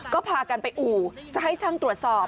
ก็พากันไปอู่จะให้ช่างตรวจสอบ